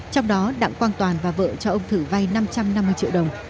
trong đó đặng quang toàn và vợ cho ông thử vay năm trăm năm mươi triệu đồng